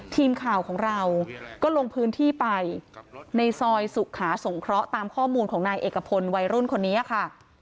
ทีมข่าวของเราก็ลงพื้นที่ไปในซอยสุขาสงเคราะห์ตามข้อมูลของนายเอกพลวัยรุ่นคนนี้ค่ะ